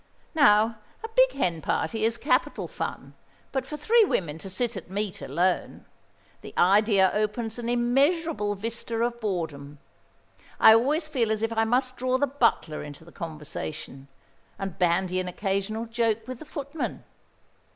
Now a big hen party is capital fun; but for three women to sit at meat alone! The idea opens an immeasurable vista of boredom. I always feel as if I must draw the butler into the conversation, and bandy an occasional joke with the footmen.